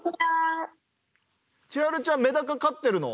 ちはるちゃんメダカ飼ってるの？